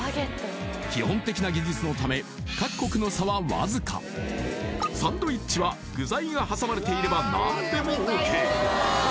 基本的な技術のため各国の差はわずかサンドイッチは具材が挟まれていれば何でもＯＫ